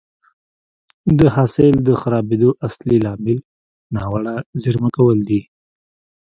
د حاصل د خرابېدو اصلي لامل ناوړه زېرمه کول دي